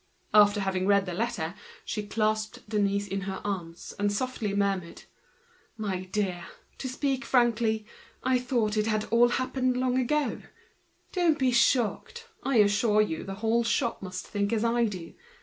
After having read the letter, she clasped Denise in her arms, and softly murmured: "My dear, to speak frankly, I thought it was already done. Don't be shocked; I assure you the whole shop must think as I do.